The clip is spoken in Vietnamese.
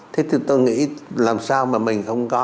thế thì tôi nghĩ làm sao mà mình không có